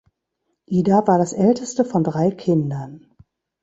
Ida war das älteste von drei Kindern.